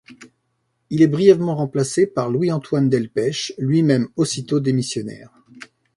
Il est brièvement remplacé par Louis-Antoine Delpech, lui-même aussitôt démissionnaire.